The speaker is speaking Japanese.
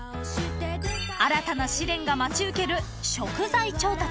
［新たな試練が待ち受ける食材調達］